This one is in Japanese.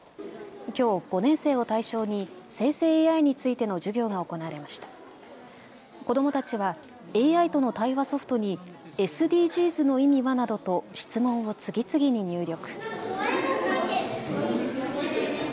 きょう５年生を対象に生成ＡＩについての授業が行われました。子どもたちはＡＩとの対話ソフトにＳＤＧｓの意味はなどと質問を次々に入力。